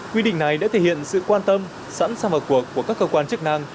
quy định này đã thể hiện sự quan tâm sẵn sàng vào cuộc của các cơ quan chức năng